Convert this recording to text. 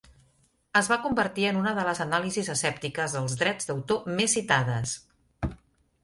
Es va convertir en una de les anàlisis escèptiques dels drets d'autor més citades.